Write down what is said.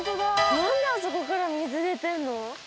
なんであそこから水出てるの？